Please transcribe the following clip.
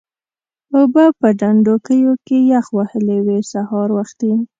اوبه به په ډنډوکیو کې یخ وهلې وې سهار وختي.